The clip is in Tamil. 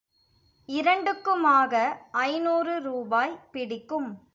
இரண்டுக்குமாக, ஐந்நூறு ரூபாய் பிடிக்கும்.